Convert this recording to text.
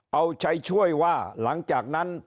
เอาใจช่วยว่าหลังจากนั้น